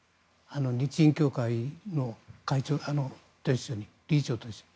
日印協会の理事長と一緒に。